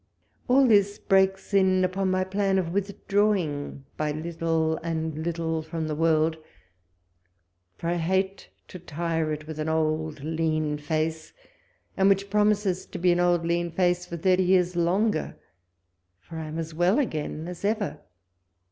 AH this breaks in upon my plan of withdrawing by little and little from the world, foi' T hate to tire it with an old lean face, and which jjromiscs to be an old lean face for thirty years longer, for I am as well again as ever.